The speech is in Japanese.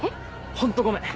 ホントごめん。